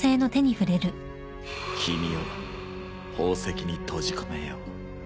君を宝石に閉じ込めよう。